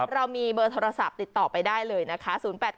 เรามีเบอร์โทรศัพท์ติดต่อไปได้เลยนะคะ